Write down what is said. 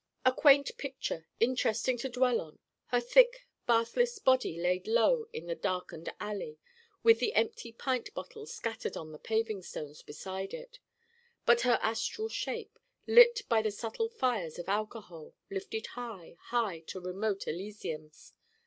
A quaint picture, interesting to dwell on: her thick bathless body laid low in the darkened alley, with the empty pint bottles scattered on the paving stones beside it but her astral shape, lit by the subtle fires of alcohol, lifted high, high to remote elysiums.